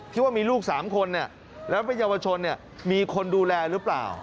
ว่ามีลูก๓คนแล้วเป็นเยาวชนมีคนดูแลหรือเปล่า